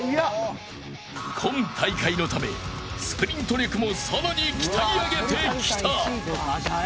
今大会のため、スプリント力もさらに鍛え上げてきた。